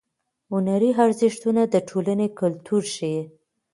هنري ارزښتونه د ټولنې کلتور ښیي.